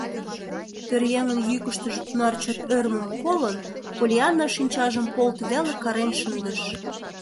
Пӧръеҥын йӱкыштыжӧ тунар чот ӧрмым колын, Поллианна шинчажым полт веле карен шындыш: